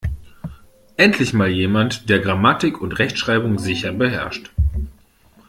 Endlich mal jemand, der Grammatik und Rechtschreibung sicher beherrscht!